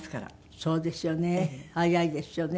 そうですよね。